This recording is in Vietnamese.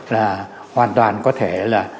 là hoàn toàn có thể là